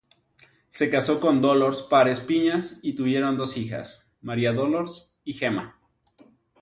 Se casó con Dolors Pares Piñas, y tuvieron dos hijas, Maria Dolors y Gemma.